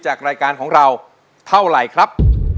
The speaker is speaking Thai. จากรายการของเราเท่าไหร่ครับ